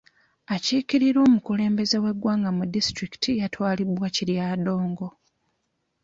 Akiikirira omukulembeze w'eggwanga mu disitulikiti yatwalibwa Kiryandongo.